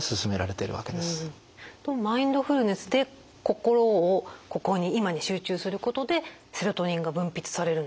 マインドフルネスで心をここに今に集中することでセロトニンが分泌されるんですね。